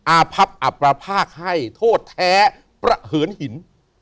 อาพับอับประภาคให้โทษแท้ประเหินหิน